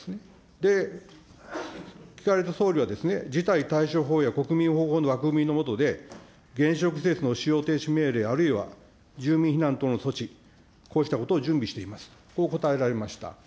で、聞かれた総理は、事態対処法や国民保護法の枠組みの下で原子力施設の使用停止命令、あるいは住民避難等の措置、こうしたことを準備しています、こう答えられました。